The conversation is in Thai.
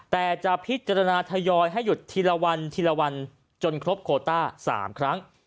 แต่จะพิจารณทยอยให้หยุดทีละวันจนครบโคต้าสามครั้ง